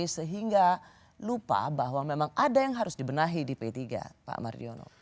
sehingga lupa bahwa memang ada yang harus dibenahi di p tiga pak mardiono